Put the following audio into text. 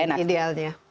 berapa kali ini idealnya